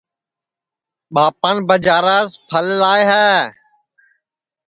ٻاپان ٻجاراس پھڑ لائے ہے